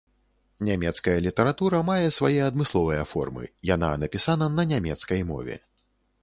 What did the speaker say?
Нямецкая літаратура мае свае адмысловыя формы, яна напісана на нямецкай мове.